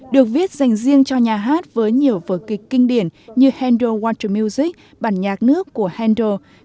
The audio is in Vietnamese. được viết dành riêng cho nhà hát với nhiều vở kịch kinh điển như handel water music bản nhạc nước của handel